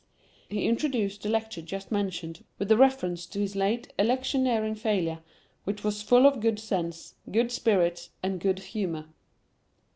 He introduced the lecture just mentioned, with a reference to his late electioneering failure, which was full of good sense, good spirits, and good humour.